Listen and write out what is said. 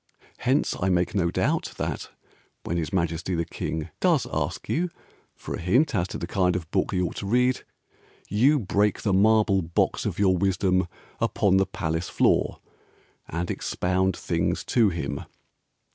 Hence (I make no doubt) That when his Majesty the King Does ask you for a hint as to the kind of book he ought to read You break the marble box of your wisdom Upon the palace floor And expound things to him.